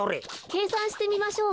けいさんしてみましょう。